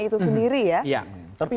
itu sendiri ya tapi